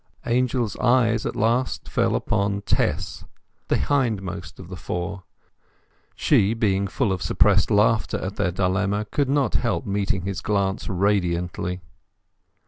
Angel's eye at last fell upon Tess, the hindmost of the four; she, being full of suppressed laughter at their dilemma, could not help meeting his glance radiantly.